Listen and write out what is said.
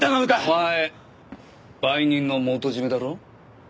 お前売人の元締だろ？